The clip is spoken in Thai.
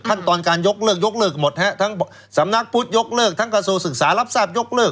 ขั้นตอนการยกเลิกยกเลิกหมดฮะทั้งสำนักพุทธยกเลิกทั้งกระทรวงศึกษารับทราบยกเลิก